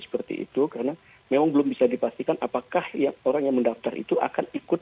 seperti itu karena memang belum bisa dipastikan apakah orang yang mendaftar itu akan ikut